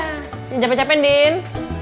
jangan capek capek din